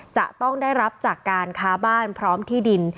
จะต้องได้รับจากการค้าบ้านพร้อมที่ดิน